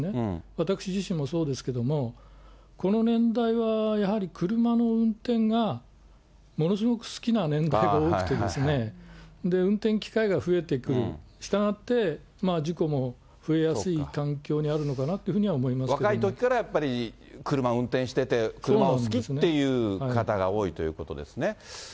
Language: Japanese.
私自身もそうですけれども、この年代はやはり、車の運転がものすごく好きな年代が多くてですね、運転機会が増えてくる、したがって事故も増えやすい環境にあるのかなというふうに思いま若いときからやっぱり、車を運転してて、車を好きっていう方が多いということですね。